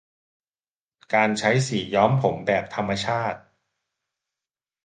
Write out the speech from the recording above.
การใช้สีย้อมผมแบบธรรมชาติ